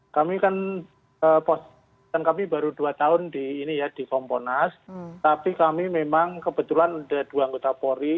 kami kan posisi kami baru dua tahun di komponas tapi kami memang kebetulan ada dua anggota polri